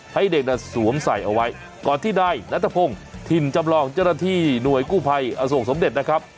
ให้เด็กน่ะสวมใส่เอาไว้ก่อนที่นายนัทพงศ์ถิ่นจำลองเจ้าหน้าที่หน่วยกู้ภัยอโศกสมเด็จนะครับ